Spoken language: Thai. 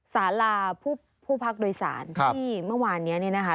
สาราผู้พักโดยศาลที่เมื่อวานนี้นะฮะ